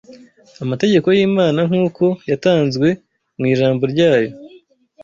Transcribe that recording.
amategeko y’Imana nk’uko yatanzwe mu Ijambo ryayo